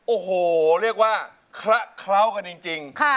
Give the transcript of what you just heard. โอ้โหเรียกว่าคละเคล้ากันจริง